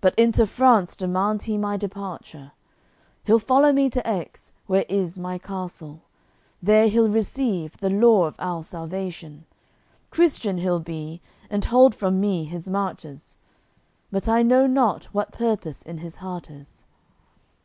But into France demands he my departure; He'll follow me to Aix, where is my Castle; There he'll receive the law of our Salvation: Christian he'll be, and hold from me his marches. But I know not what purpose in his heart is."